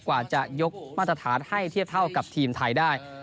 กว่าจะยกมาตรฐานให้เทียบเท่ากับทีมไทยได้